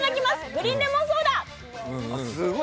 グリーンレモンソーダ！